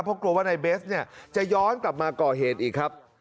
เพราะกลัวว่านายเบสเนี่ยจะย้อนกลับมาก่อเหตุอีกครับ